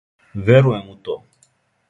Верујем у то.